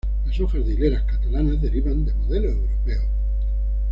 Las hojas de hileras catalanas derivan de modelos europeos.